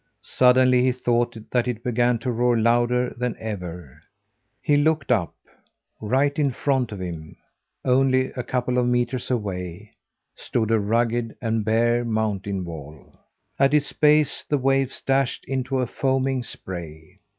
Suddenly he thought that it began to roar louder than ever. He looked up. Right in front of him only a couple of metres away stood a rugged and bare mountain wall. At its base the waves dashed into a foaming spray.